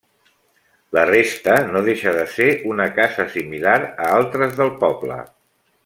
La resta no deixa de ser una casa similar a altres del poble.